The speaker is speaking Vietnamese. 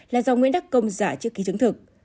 là do nguyễn đắc công giả chữ ký chứng thực